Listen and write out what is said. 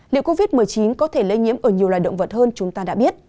liệu covid một mươi chín có thể lây nhiễm ở nhiều loài động vật hơn chúng ta đã biết